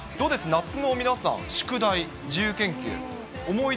夏の皆さん、宿題、自由研究。